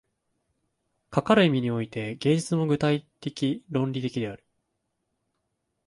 かかる意味において、芸術も具体的論理的である。